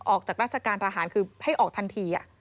ออกจากราชการทหารคือให้ออกทันที